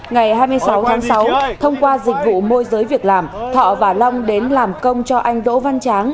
ngày hai mươi sáu tháng sáu thông qua dịch vụ môi giới việc làm thọ và long đến làm công cho anh đỗ văn tráng